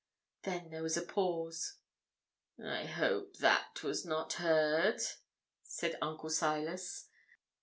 Then there was a pause. 'I hope that was not heard,' said Uncle Silas.